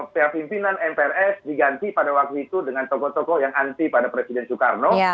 pihak pimpinan mprs diganti pada waktu itu dengan tokoh tokoh yang anti pada presiden soekarno